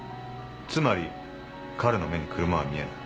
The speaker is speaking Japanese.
つまり彼の目に車は見えない。